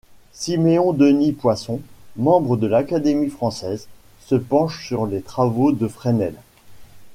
Siméon Denis Poisson, membre de l'académie française, se penche sur les travaux de Fresnel.